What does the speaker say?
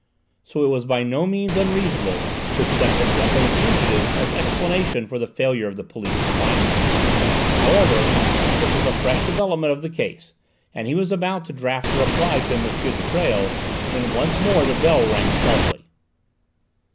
So it was by no means unreasonable to accept the death of the fugitives as explanation of the failure of the police to find them. However, this was a fresh development of the case, and he was about to draft a reply to M. de Presles when once more the bell rang sharply.